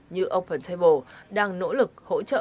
như open table đang nỗ lực hỗ trợ